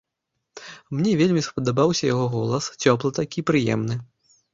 Мне вельмі спадабаўся яго голас, цёплы такі, прыемны.